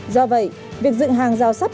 do vậy việc dựng hàng rào sắt